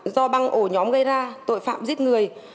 do băng ổ nhóm gây ra tội phạm giết người